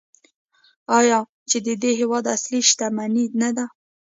آیا چې د دې هیواد اصلي شتمني نه ده؟